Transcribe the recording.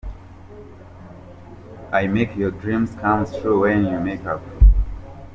I make your dreams come true when you wake up.